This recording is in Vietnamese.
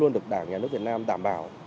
không được đảng nhà nước việt nam tạm bảo